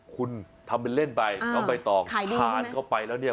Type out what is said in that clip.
คุณทำเป็นเล่นไปน้องใบตองทานเข้าไปแล้วเนี่ย